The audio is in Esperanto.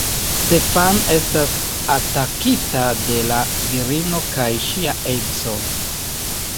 Stefan estas atakita de la virino kaj ŝia edzo.